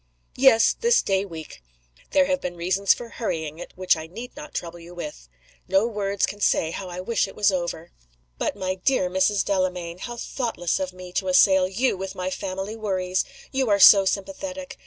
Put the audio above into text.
"Yes. This day week. There have been reasons for hurrying it which I need not trouble you with. No words can say how I wish it was over. But, my dear Mrs. Delamayn, how thoughtless of me to assail you with my family worries! You are so sympathetic.